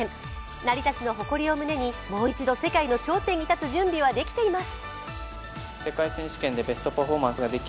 成田市の誇りを胸に、もう一度世界の頂点に立つ準備はできています。